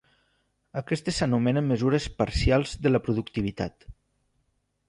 Aquestes s’anomenen mesures parcials de la productivitat.